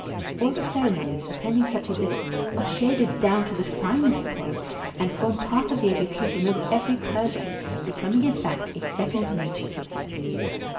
All the ceremonies attending such a visit are shaded down to the finest point, and form part of the education of every Persian, becoming in fact a second nature to him.